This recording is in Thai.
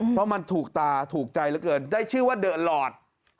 เพราะมันถูกตาถูกใจเหลือเกินได้ชื่อว่าเดอะหลอด